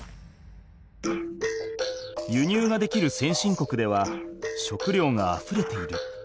輸入ができる先進国では食料があふれている。